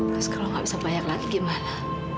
terus kalau tidak bisa bayar lagi bagaimana